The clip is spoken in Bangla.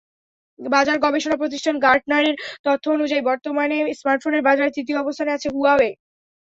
বাজার গবেষণাপ্রতিষ্ঠান গার্টনারের তথ্য অনুযায়ী, বর্তমানে স্মার্টফোনের বাজারে তৃতীয় অবস্থানে আছে হুয়াওয়ে।